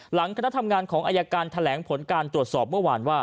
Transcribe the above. คณะทำงานของอายการแถลงผลการตรวจสอบเมื่อวานว่า